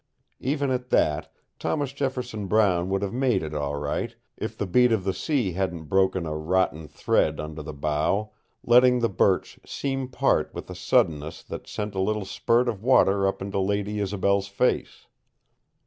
Even at that, Thomas Jefferson Brown would have made it all right if the beat of the sea hadn't broken a rotten thread under the bow, letting the birch seam part with a suddenness that sent a little spurt of water up into Lady Isobel's face.